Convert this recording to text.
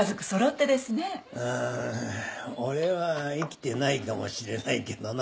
うーん俺は生きてないかもしれないけどな。